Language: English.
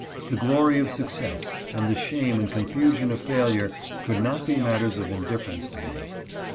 The glory of success and the shame and confusion of failure, could not be matters of indiffer ence to me.